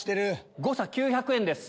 誤差９００円です。